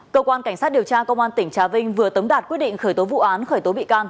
cơ quan cảnh sát điều tra công an tỉnh trà vinh vừa tống đạt quyết định khởi tố vụ án khởi tố bị can